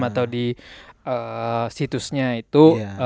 atau di situsnya itu